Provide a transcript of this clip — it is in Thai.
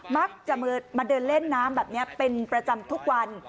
มักจะมาเดินเล่นน้ำแบบนี้เป็นประจำทุกวัน